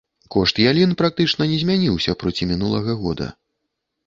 Кошт ялін практычна не змяніўся проці мінулага года.